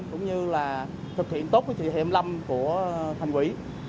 cũng như thực hiện tốt với thị hệ năm của thành quỷ